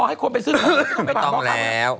จับไปขอคำเลือกคุณจะมาเลือกคุณจะไม่ต้องเรียกแล้ว